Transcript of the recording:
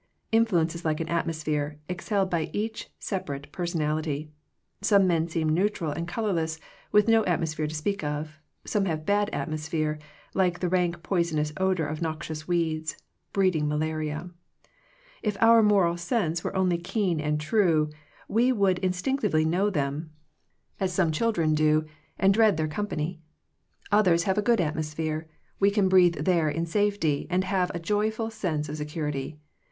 Influence is like an atmos phere exhaled by each separate person ality. Some men seem neutral and color less, with no atmosphere to speak of. Some have a bad atmosphere, like the rank poisonous odor of noxious weeds, breeding malaria. If our moral sense were only keen and true, we would in stinctively know them, as some children 87 Digitized by VjOOQIC THE CHOICE OF FRIENDSHIP do, and dread their company. Others have a good atmosphere; we can breathe there in safety, and have a joyful sense of security.